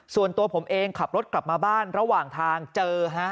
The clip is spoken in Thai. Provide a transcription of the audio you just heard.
ส่วนตัวผมเองขับรถกลับมาบ้านระหว่างทางเจอฮะ